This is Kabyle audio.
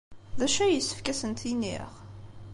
D acu ay yessefk ad asent-t-iniɣ?